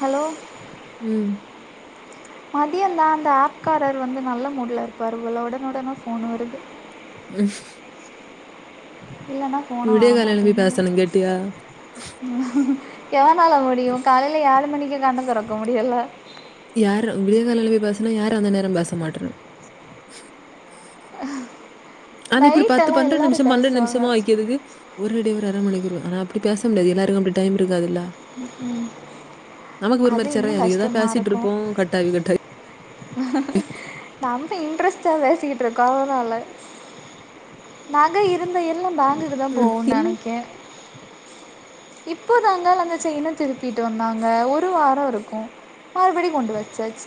Hello ம் மதியோ தான் டா ஆப்காரர் வந்து நல்ல மூட்ல இருப்பாரு போல ஒடனே ஒடனே ஃபோன்னு வருது ம் இல்லன்னா விடியகால எழும்பி பேசணு கேட்டியா எவேனால முடியு காலைல ஏழு மணிக்கே கண்ண தொறக்க முடியல யாரு விடியே காலைல போய் பேஸ்னா யாரு அந்த நேரோ பேச மாட்றா அ ஆனா இப்டி பத்து பண்ற நிமிஷ்மா பண்ற நிமிஷ்மா‌ வெக்கெதுக்கு ஒரு டே ஒரு அர மணிக்கு வரு ஆனா அப்டி பேச முடியாது எல்லாருக்கு அப்டி டைம் இருக்காதுல்ல நமக்கு ஒரு அது மாரி சர்யா இன்னும் இருக்கீதா பேசிட்டுருப்போ கட்டாவி கட்டாவி நம்ப இன்ட்ரெஸ்டா பேசிக்கிட்டு இருக்கோ கொரோனால நக இருந்த எல்லா ம். பேங்குக்கு தா போகு ம். நெனக்கே இப்போ தாங்கள் அந்த சைன்ன திருப்பிட்டு வந்தாங்க ஒரு வாரோருக்கு மறுபடிம் கொண்டு வச்சாச்சு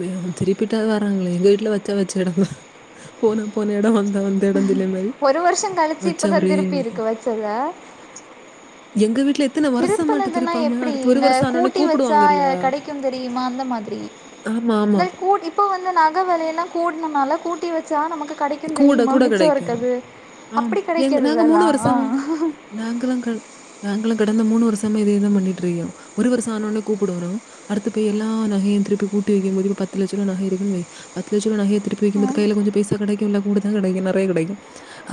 அ திருப்பிட்டாவெ வாராங்களே எங்க வீட்டுல வச்சா வச்ச இடந்தா போனா போன எடோ வந்தா வந்த எடந்தில மாய் ஒரு வருஷோ கழிச்சு இப்பதா திருப்பி இருக்கு வச்சத எங்க வீட்டுல திருப்பனதுனா எப்டி இந்த ஆனோனே கூட்டி வச்சா கூப்பிடுவாங்கல்ல. கடை க்கும் தெரியுமா அந்த மாதிரி ஆமா, ஆமா. இத கூட் இப்ப வந்து நக வெலயெல்லா கூட்ணனால ட்டி வச்சா நமக்கு கடைக்கு கூட தெரியுமா கூட மிச்சோ கிடைக்கும். ருக்கது ஆம் அப்டி கெடக்கிறத இதெல்லா நாங்களு கள் நாங்களு கடந்த மூணு வருஷமா இதேதா பண்ணிட்டு ரையு ஒரு வருஷோ ஆனோன்னே கூப்புடவரு அடுத்த பேய் எல்லா நகைய திருப்பி கூட்டி வைக்கும் போது இப்ப பத்து லட்ச ரூவா நக இருக்குன்னு வை பத்து லட்ச ரூவா நகைய திருப் பி வைக்கும்போது கையில கொஞ்சோ பைசா கெடைக்கும்ல்ல கூடதா கெடைக்கு நெறைய கிடைக்கு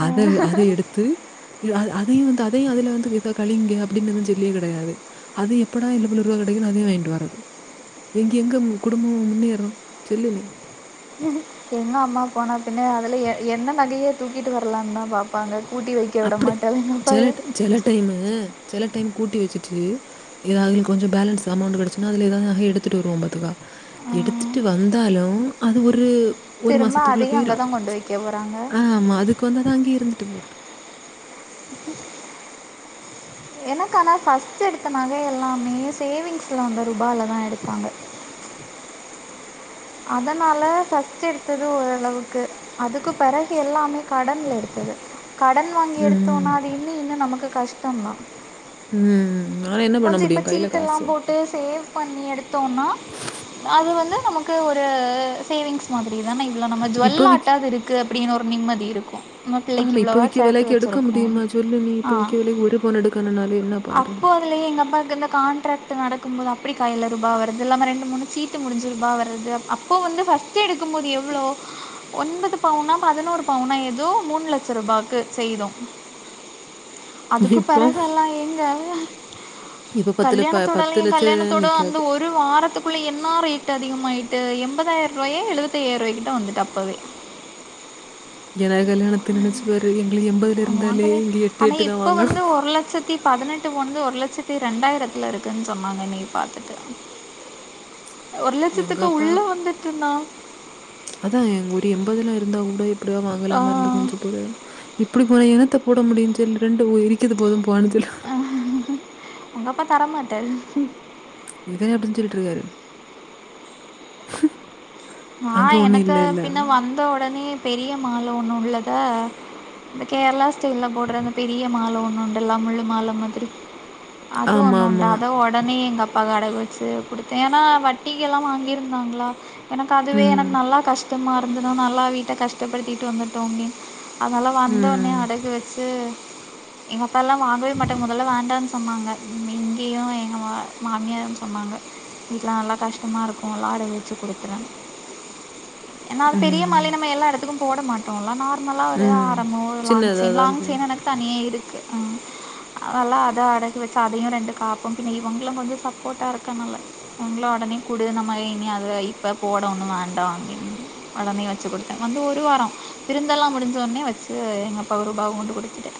அத அத எடுத்து எதாது அதையும் வந்து அதையு அதுல வந்து இத கழிங்க அப்டின்னு செல்லியு கெடையாது அது எப்படா இனு பல ருவா கெடைக்குன்னு அதயு வாங்கிட்டு வரது எங்கெங்க குடும்போ முன்னேறு சொல்லு நீ எங்க அம்மா போனா பின்னே அதுல எ என்ன நகையே தூக்கிட்டு வரலானு தா பாக்கு பாங்க கூட்டி வைக்க விட மாட்டாதுங்கப்பா எங்க பைய செல டைமு செல டைம் கூட்டி வச்சுட்டு ஏதாவ்துள்ளயு கொஞ்சோ பேலன்ஸ் அமௌண்ட் கெடச்சுன்னா அதுல எதாது நகைய எடுத்துட்டு வருவோ பாத்துக்க ம் எடுத்துட்டு வந்தாலும் அது ஒரு ஒரு திரும்ப மாசத்துக்குள்ள அதையு போயிரும் அங்கதா கொண்டு வைக்க போறாங்க ஆ ஆமா அதுக்கு வந்த தான் அங்கேயே இருந்துட்டு போட்டு எனக்கனா ஃபர்ஸ்ட் எடுத்த நகை எல்லாமே சேவிங்ஸ்ல வந்த ரூபாயில தான் எடுத்தாங்க அதனால ஃபஸ்ட் எடுத்தது ஓரளவுக்கு அதுக்கு பெறகு எல்லாமே கடன்ல எடுத்தது கடன் வாங்கி ம். எடுத்தோனா அது இன்னு இன்னு நமக்கு கஷ்டோந்தா ம் ஆனா என்ன பண்ண கொஞ்சோ இப்ப முடியும்? கையில காசு. சீட்டெல்லாம் போட்டு சேவ் பண்ணி எடுத்தோன்னா அது வந்து நமக்கு ஒரு சேவிங்ஸ் மாதிரி தான இவ்ளோ நம்ம இப்ப விக் ஜுவல்லாட்டாது இருக்கு அப்டின்னு ஒரு நிம்மதி இருக்கு ஆமா இப்ப விக்க வெலைக்கு எடுக்க முடியுமா சொல்லு நீ இப்ப ஆ விக்க வெலைக்கு ஒரு பவுன்னு எடுக்கணுனாலே என்ன பாடு? அப்போ வந் துலேயே எங்க அப்பாக்கு இந்த கான்ட்ரேக்ட் நடக்கும் போது அப்டி கைல ரூபா வருது இல்லாம ரெண்டு மூணு சீட்டு முடிஞ்சு ரூபா வருது அ அப் அப்போ வந்து ஃபஸ்ட்டு எடுக்கும் போது எவ்ளோ ஒன்பது பவுனா பதினோரு பவுனா ஏதோ மூண் லட்ச ரூபாவ்க்கு செய்தோ அதுக்குப் இப்போ பெறகெல்லா எங்கெ இப்ப ப கல்யாணத்தோட இல்லெ ஏன் கல்யாணத்தோட வந்து நிக்காது. ஒரு வாரத்துக்குள்ளே என்னா ரேட்டு அதிகமாயிட்டு எம்பதாயிர்ரூபாயே எழுபத்தைய்யாரூபாய்க்கிட்ட வந்துட்டு அப்பவே எனகு கல்யாணத்தெ நெனச்சு பாரு எங்ளுக்கு எம்பதுல இருந்தாலே வாங்கலை இங்க எட்டு எட்டு தா வாங்கணு த்தி பதனெட்டு வந்து ஒரு லட்சத்தி ரெண்டாயிரத்துல இருக்குன் சொன்னாங்க இன்னிக்கு பாத்துட்டு ஒரு லட்சத்துக்கு உள்ளெ வந்துட்டுன்னா அதா ஒரு எம்பதுலா இருந்தா கூட எப்டியவா வாங்லாமா இருந்து கொஞ்சோப் [unintelligible] இப்டி போனா இனத்த போட முடியும் சொல் ரெண்டு ஒரிக்கிதுபோது போனு சொல் உங்கப்பா தர மாட்டாரு இப்பவே அப்டிதா சொல்லிட்ருக்காரு ஆ எனக்கு பின்னே வந்த உடனே பெரிய மால ஒன்னு உள்ளது அந்த கேர்ளா ஸ்டைல்லெ போட்ற இந்த பெரிய மால ஒன்னு உண்டல்ல முல்லுமால மாதிரி அது ஒண்ணு உண்டா ஆமாமா. அத ஒடனே எங் அப் அப்பாக்கு அடகு வெச்சு குடுத்தே ஏனா வட்டிக்கெலா வாங்கியிருந்தாங்ளா எனக்கு அதுவே ம். எனக் நல்லா கஷ் ஷ்டமா இருந்துதா நல்லா வீட்ட கஷ்ட படுத்திட்டு வந்துட்டோமே அதனாலா வந்த ஒன்னே ம். அடகு வெச்சு எங்க அப்பால்லா வாங்கவே மாட்டாங்க முதல்ல வேண்டானு சொன்னாங்க ம் இங்கியு எங்க மா மாமியார் சொன்னாங்க வீட்லா நல்லா கஷ்டமா இர்க்கோ எல்லா அடகு வெச்சு குடுத் ஏனா அது பெரிய ம். மால நம்ம எல்லா எடத்துக்கு போட மாட் டோல்ல நார்மலா ஒரு ம். ஆரம்மோ ஒரு லாங் சின்னதா செயின் தான் லாங் போகும். செயின் எனக்கு தனியெ இருக்கு ம் அதல்லா அத அடகு வெச்சு அதையு ரெண்டு காப்பும் பின்ன இவங்ளும் கொஞ்சோ சப்போட்டா இருக்கன்னுல ங்ளே ஒடனே குடு நம்ம இனி அத இப்ப போட ஒன்னு வேண்டா அப்டி ஒடனே வச்சு குடுத்தே வந்து ஒரு வாரோ விருந்தெல்லா முடிஞ்ச ஒட்னே வச்சு எங்க அப்பாவ ரூபாவ கொண்டு குடுத் துட்டே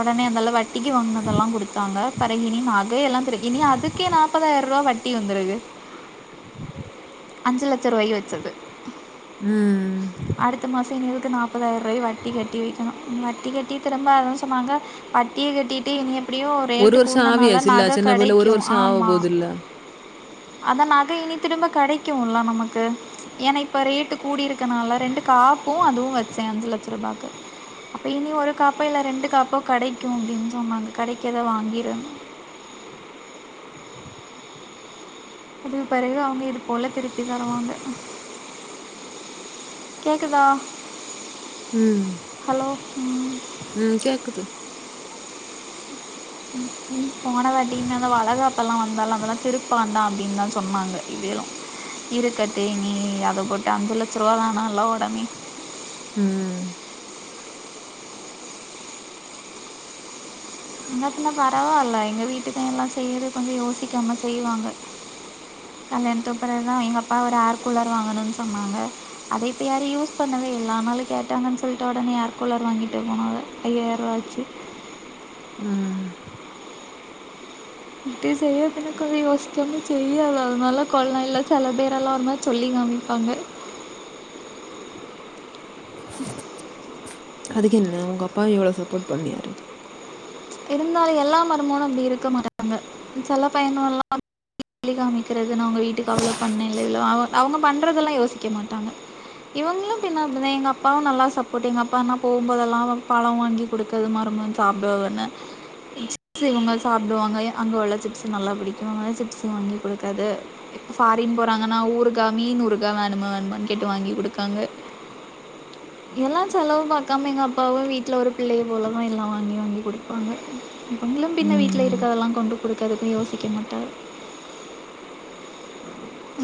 ஒடனே அந்த அளவுக் வட்டிக்கு வாங்னதெல்லா குடுத்தாங்க பெறகு இனி நகையெல்லாம் பிரிக் இனி அதுக்கே நாப்பதாயிர்ரூபா வட் டி வந்துடுது அஞ்சு லட்ச ரூபாயிக்கு வெச்சது ம் அடுத்த மாசோ இவ்ளுது நாப்பதாயிர்ரூவாயி வட்டி கட்டி வெக்கிணு ம் வட்டி கட்டி திரும்ப அதுன் சொன்னாங்க வட்டியே கட்டிட்டு இனிய ப்படியோ ரேட்டு வருஷம் கூனனால ஆவியாச்சுல்ல. நகை சின்ன புள்ள கடைக்கு வருஷம் ஆமா ஆவப்போதுல்ல. அதா நகை இனி திரும்ப கடைக்கு இல்ல நமக்கு ஏனா இப்ப ரேட்டு கூடிருக்கனால ரெண்டு காப்பு அதுவு வச்சே அஞ்சிலட்ச ரூபாக்கு அப்ப இனி ஒரு காப்போ இல்ல ரெண்டு காப்போ கடைக்கு அப்டின் சொன்னாங்க கடைக்கத வாங்கிருன் இடுல் பெறகு அவுங்க இது போல திருப்பி தருவாங்க கேக்குதா ம் ம் ம் கேக்குது ம் ம் போன வாட்டிங்னாலா வலகாப்பல்லா வந்தாலா அதலா திருப்பான்டா அப்டின்தா சொன்னாங்க இதேலு இருக்கட்டு நீ அத போட்டா அஞ்சு லட்சரூவா வானால்லா ஒரு அண்னே ம் மின்ன பின்ன பரவால்ல எங்க வீட்டுக்கெல்லா செய்யிற்து கொஞ்சோ யோசிக்காம செய்வாங்க கல்யாண்துப்பரதா எங்க அப்பா ஒரு ஆர் கூலர் வாங்குணுன் சொன்னாங்க அதப் இப்ப யாரு யூஸ் பண்ணதே இல்ல அன்னால கேட்டாங்கன் சொல்ட்டு ஒடனே ஏர் கூலர் வாங்கிட்டு போனாங்க ஆய்யாரூவா ஆச்சி ம் ட்டு செய்யதுன்னு யோஷ்சமு செய்யாலு அதனால கொழ இல்ல சில பேர் எல்லா ஒரு மாரி சொல்லியு காமிப்பாங்க அதுக்கு என்ன உங்க அப்பா எவ்ளோ சப்போட் பண்ணியாரு இருந்தாலு எல்லா மருமகனு அப்டி இருக்க மாட்டாங்க செல பயணோல்லா சொல்லி காம்மி இருக்கிறதுனு அவுங்க வீட்டுக்கு அவ்ளோ பண்ணே இல்ல இவ்ளோ அவு அவுங்க பண்ணறதெல்லா யோசிக்க மாட்டாங்க இவுங்களு பின்னப்பனே எங்க அப்பாவு நல்லா சப்போர்டிங் எங்க அப்பா நா போம்போதெல்லா பழம் வாங்கி குடுக்கது மருமகன் சாப்டவேன சிப்ஸ் இவுங்க சாப்புடுவாங்க அங்க உள்ள சிப்ஸ் நல்லா புடிக்கு அங்க சிப்ஸு வாங்கி குடுக்காது ஃபாரின் போறாங்கன்னா ஊறுகா மீன் ஊறுகா வேணும வேணுன் கேட்டு வாங்கி குடுக்காங்க எல்லா செலவு பாக்காம எங்க அப்பாவு வீட்ல ஒரு பிள்ளைய போலதா எல்லா வாங்கி வாங்கி குடு ப்பாங்க இவங்களு பின்ன வீட்ல ம். இருக்கிறதெல்லா கொண்டு குடுக்கறக்கு யோசிக்கமாட்டாரு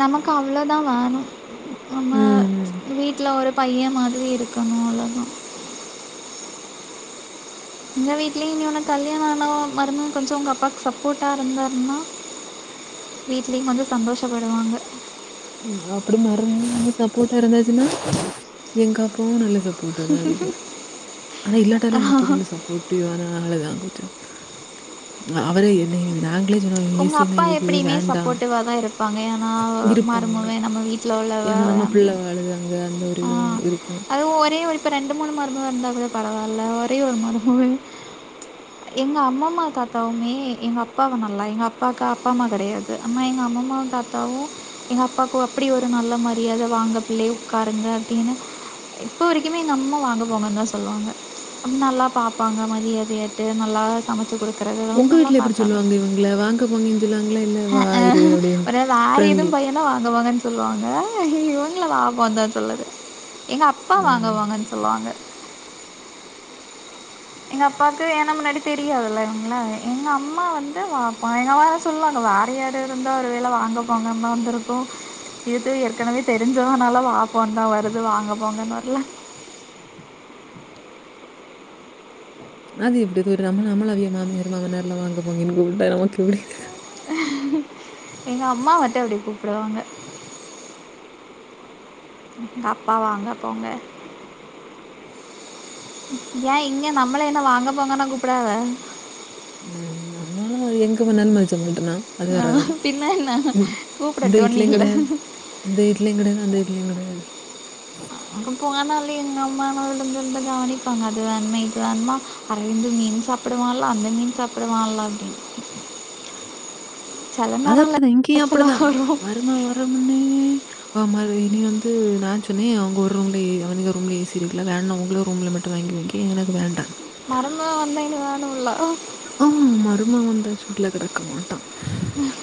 நமக்கு அவ்ளதா வேணு நம்ம ம். வீட்ல ஒரு பைய மாதிரி இருக்கணு அவ்ளதா எங்க வீட்லியு இன்னியொன்னு கல்யாண ஆன மருமகனு கொஞ்சோ உங்க அப்பாவுக்கு சப்போர்ட்டா இருந்தாருன்னா வீட்லியு கொஞ்ச சந்தோஷப்படுவாங்க ம் அப்பிடி மருமகனு சப்போட்டா இருந்தாச்சின்னா எங்க அப்பாவு நல்ல சப்போ ப்போட்டா தா இருக்கு ஆனா இல்லாட்டாலு எங்க அப்ப கொஞ்ச சப்போட் ட்டிவான ஆளுதா கொஞ்சோ அவரு என்னை நா கிலேஜனோ ஏசினா இருக்கு வேண்டா இதுவாதா இருக்கு பாங்கையா ஆ மருமவே நம்ம வீட்ல ஏன்னா, உள்ளவவே நம்ம பிள்ள அப்டின் வாழுது அங்க. அந்த ஒரு ஆ இதுவும் உண்டு இருக்கும்." அது ஒரே ஒரு த்து ரெண்டு மூனு மருமவே இருந்தா கொஞ்ச பரவால்ல ஒரே ஒரு மருமவே எங்க அம்மம்மா தாத்தாவுமே எங்க அப்பாவனா ல்ல எங்க அப்பாவுக்கு அப்பா அம்மம்மா கெடையாது அம்மா எங்க அம்மாம்மாவு தாத்தாவு எங்க அப்பாக்கு அப்பிடி ஒரு நல்ல மரியாத வாங்க பிள்ளை உக்காருங்க அப்டின்னு இப்ப வரைக்குமே எங்க அம்மா வாங்க போங்கன் தா சொல்லுவாங்க நல்லா பாப்பாங்க மரியாதையாட்டு நல்லா சமை ச்சு குடுக்கறது உங்க வீட்ல எப்டி சொல்லுவாங்க இவுங்ள வாங்க போங்கன் சொல்லுவாங்ளா இல்ல அ வா அ இரு அப்படின்னு ஒரு வேற எது ஃப்ரெண்ட்லி. பையனா வாங் போங்கன் சொல்லுவாங்க இவுங்ள வா போனு தா சொல்லது எங்க அப்பா வாங்க ம். போங்கன்னு சொல்லுவாங்க எங்க அப்பாக்கு ஏனா முன்னாடியே தெரியாதுல்ல இவுங்ள எங்க அம்மா வந்து வாபா எங்க அம்மா சொல்வாங்க வேற யார இருந்தா ஒரு வேல வாங்க போங்கானு தா வந்ருக்கு இது ஏற்கனவே தெரிஞ்சவனால வா போனு தா வருது வாங்க போங்கன் வர்ல அது எப்டி து நம்மள நம்மள அவிய மாமியார் மாமனார்லா வாங்க போங்க இப்டி கூப்ட்டா நமக்கு எப்டி எங்க அம்மா மட்டு அப்டி கூப்புடுவாங்க எங்க அப்பா வாங்க போங்க ஏ இங்க நம்ள என்ன வாங்க போங்கன்னா கூப்டுவாங்க ம் நம்மலு எங்க போனாலு மதிச்ச மாட்டனா அது வேற ஆஹ் கத பின்ன என்ன ம் இந்த கூப்பிடட்டும்னு வீட்டிலியு கெட இல்லை இந்த வீட்லியு கெடையாது அந்த வீட்லி கெடையாது அங்க போனாலே எங்க அம்மா விழுந்து விழுந்து கவனிப்பாங்க அது வேண்மா இது வேண்மா அரவிந்த் மீன் சாப்டுவான்ல அந்த மீன் சாப்டுவான்ல அப்டின்னு அது அப்டிதா இங்கியு அப்டிதா லைஃப்லாம் வரும் மருமவே வரமுன்னே ஆமா இனி வந்து நா சொன்னே அவுங்க ரூம்ல ஏ அவனுங்க ரூம்ல ஏ சி இருக்ல வேணா உங்கள ரூம்ல மட்டு வாங்கி வாங்கி வைய்க்கே எனக்கு வேண்டா மருமக வந்தா இனி வேணுல்ல ஆ மருமவ வந்தா சூட்ல கெடக்க மாட்டா ம்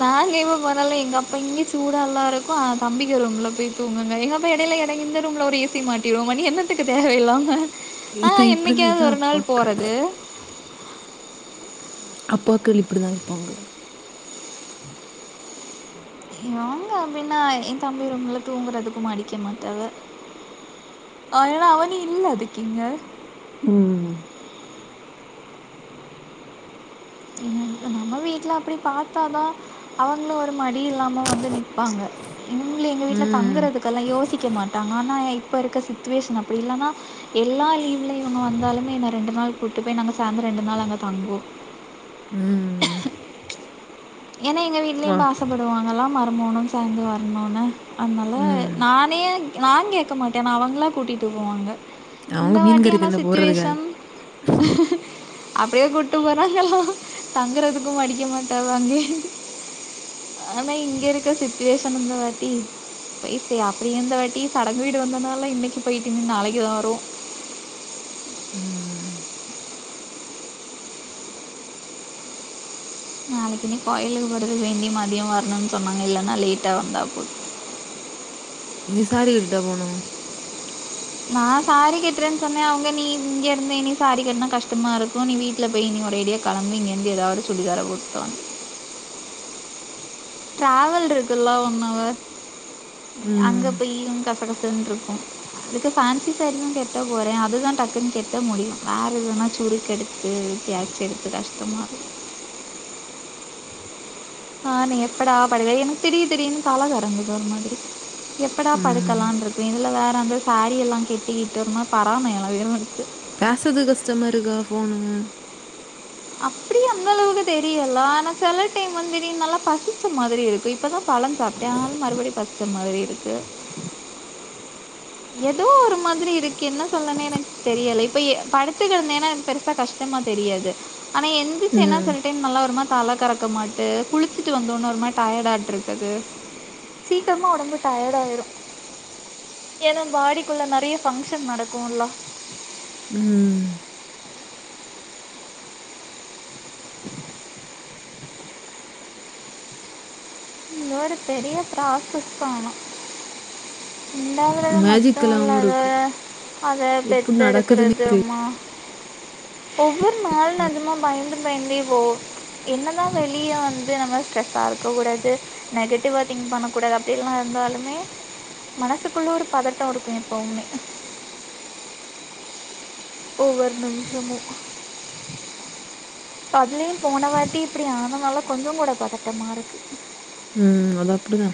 நாங்க எப்ப போணாலு எங்க அப்பா இங்கே சூடால்லா இருக்கு தம்பிக்க ரூம்பல போய் தூங்குங்க எங்க அப்ப இடையில எனக்கு இந்த ரூம்ல ஒரு ஏசி மாட்டிறுவோமா எண்ணத்துக்கு தேவைையில்லாம ஆ இதான் இப்படிதான் என்னைக்காவ்து இதான் ஒரு நாள் அப்பாக்கள். போறது அப்பாகள் இப்டிதா இருப்பாங்க யேங்க அப்டின்னா எ தம்பி ரூம்ல தூங்குறதுக்கு அடிக்க மாட்டது அ அவனு இல்ல அதுக்கு இங்க ம் நம்ம வீட்ல அப்டி பாத்தாதா அவுங்ளு ஒரு மடி இல்லாம வந்து நிப் ப்பாங்க இவுங்ளே எங்க வீட்ல ம். தங்குறதுக் லா யௌசிக்க மாட்டாங்க ஆனா இப்போ சுச்சுவவேஷன் அப்டி இல்லனா எல்லா லீவ்ல இவுங்க வந்தாலுமே என்ன ரெண்டு நாள் கூட்டு போய் நாங்க சாந்ரோ ரெண்டு நாள் அங்க தங்குவோ ம் ஏனா எங்க வா. வீட்லியு ஆசைப்படுவாங்கல்லா மருமவனு சேந்து வரணுனு அதனால ம். நா என்னைய நா கேக்க மாட்டே அவுங்ளா கூட்டிட்டு போவாங்க அவங்க இந்த மீன் வாட்டி கறி ஆனா தின்ன போறதுக்கா சிச்சுவேஷன் அப்டியே கூட்டு போறாங்ளா தங்குறதுக்கு மடிக்க மாட்டாவே அங்கயே ஆன இங்க இருக்கற சிச்சுவேஷன் இந்த வாட்டி பய் சே அப்டியே இந்த வாட்டி சடங்கு வீடு வந்ததுனால இன்னைக்கு பொய்ட்டு இனிமே நாளைக்கு தான் வரு ம் நாளைக்குனே கோயிலுக்கு போறதுக்கு வேண்டிய மதியோ வரணுன்னு சொன்னாங்க இல்லன்னா லேட்டா வந்தா போது இங்க சாரி கட்டிட்டா போனு நான் சாரி கேட்டுறேன்னு சொன்ன அவங்க நீ இங்க இருந்து நீ சாரி கேட்டினா கஷ்டமா இருக்கும் நீ வீ ட்ல போய் நீ உரேடியா கெளம்பு இங்கிருந்து ஏதாவது சுடிதார் போட்டுவாங்க ட்ராவல் இருக்குல்ல ஒன் அவர் ம். அங்க போய்யும் கசகசனு இருக்கும் இதுக்கு பேன்சி ஸ்டோர்ல கெட்ட போறேன் அதுதான் டக்குன்னு கெட்ட முடியும் வேற எதனா சூரு கெடுத்து ஏ எப்டியாச்சு எடுத்து கஷ்டமா ஆ நீ எப்படா படைப்ப எனக்கு திடீர் திடீர்னு தல சொறந்துது ஒரு மாதிரி எப்படா படை ம். க்கெல்லாம் இருக்கே இதுல வேற வந்த சாரீ எல்லாம் கட்டிக்கிட்டு ஒருமாரி பராமையும்க்கு பேசது கஷ்டமா இருக்கா ஃபோனுங்க அப்டி அந்தளவுக்கு தெரியல ஆனா சில டைம் வந்து நல்லா பசிச்ச மாதிரி இருக்கு இப்பதா பழம் சாப்ட்ட ஆனாலும் மறுபடி பசிக்கர மாதிரி இருக்கு ஏதோ ஒரு மாதிரி இருக்கு என்ன சொல்லன்னே எனக்கு தெரியலை ப்ப படுத்துக்கந்தன்னா எனக்கு பெருசா கஷ்டமா தெரியாது ஆனா எந்திச்சுன்னா ம். சொ தென் நல்லா ஒருமா தலை கறக்க மாட்டு குளிச்சுட்டு வந்தோன்னு ஒருமா டயர்டாய்ட்டுருக்குது சீக்கிரமா உடம்பு டயர்ட் ஆய்ரும் ஏன்னா பாடிக்குள்ள நறைய ஃபங்க்ஷன் நடக்குங்ள ம் இது ஒரு பெரிய ப்ராசஸ்தா ஆனா உண்டாகறது மட்டும் மேஜிக்கலாவும் அல்லாத இருக்கு. அத எப்படி நடக்குதுன்னே பெத்தெடுக்கறது அம்மா ஒவ்வொரு நாள் நெஜம்மா பயந்து பயந்து போவு என்னதான் வலியா இருந்து நம்ம ஸ்ட்ரெஸ்ஸா ஆக கூடாது நெகட்டிவா திங்க் பண்ணக்கூடாது அப்டியெல்லாம் இருந்தாலுமே மனசுக்குள்ள ஒரு பதட்டம் இருக்கும் எப்பவுமே ஒவ்வொரு நிமிஷமு இப்ப அதுலயும் போனவாட்டி இப்டி ஆனதுனால கொஞ்சம் கூட பதட்டமா இருக்கு ம் அது அப்டிதா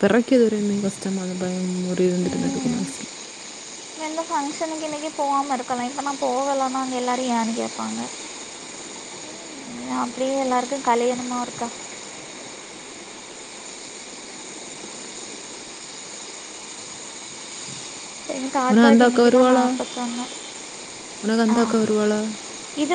பெறக்கி உரிமை கஷ்டமா இருக் பயம் முறி இருந்திருந்துட்டு தான் இருக்கும் இருக்குது மனசில் எந்த ஃபங்க்ஷனுக்கு இன்னைக்கி போகாம இருக்கலா எங்க அம்மா போகலாம்மா அங்க எல்லாரும் ஏன்னு கேட்பாங்க அப்டியே எல்லாருக்கும் கல்யாணமா இருக்கா என் "உனக்கு தாத்தாக்கு‌ அந்த அக்கா இன்னிக்கி தான் வருவாளா? நாற்பத்தொண்ணு உனக்கு ஆ அந்த ஆ அக்கா வருவாளா?" இது